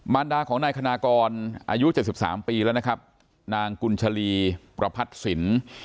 รดาของนายคณากรอายุ๗๓ปีแล้วนะครับนางกุญชลีประพัทธ์สิน